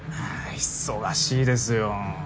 忙しいですよ。